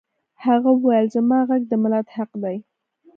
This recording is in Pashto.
هغه وویل زما غږ د ملت حق دی